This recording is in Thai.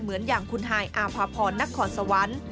เหมือนอย่างคุณฮายอาภาพรนครสวรรค์